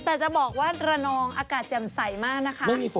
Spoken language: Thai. แต่จะบอกว่าระนองอากาศแจ่มใสมากนะคะ